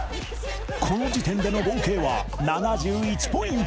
この時点での合計は７１ポイント